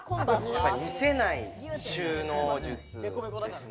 見せない収納術ですね。